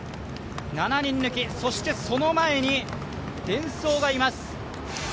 ７人抜き、そしてその前にデンソーがいます。